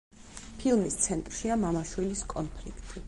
ფილმის ცენტრშია მამა-შვილის კონფლიქტი.